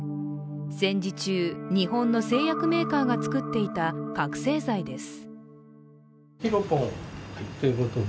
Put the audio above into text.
戦時中、日本の製薬メーカーが作っていた覚醒剤です。